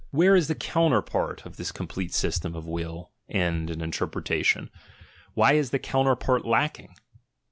Where is the counterpart of this complete system of will, end, and interpretation? Why is the counterpart lacking?